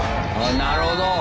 なるほど。